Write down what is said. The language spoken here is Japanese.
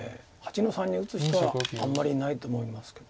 ８の三に打つ人はあんまりいないと思いますけど。